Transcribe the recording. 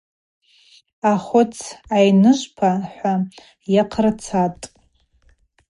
Ахвыц Айныжвпа – хӏва йыхьырцӏатӏ.